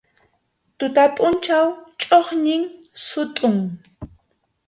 Tuta pʼunchaw chʼuqñin sutʼun.